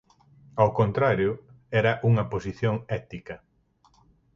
Ao contrario, era unha posición ética.